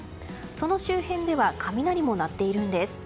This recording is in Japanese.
その周辺では雷も鳴っているんです。